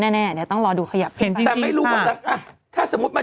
นี่ไงขึ้นจากน้ำเท่านั้น